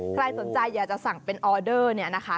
ใครสนใจอยากจะสั่งเป็นออเดอร์เนี่ยนะคะ